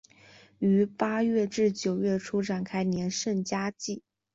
于八月至九月初展开连胜佳绩。